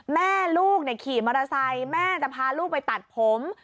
แม่ลูกขี่มอเตอร์ไซค์แม่จะพาลูกไปตัดผม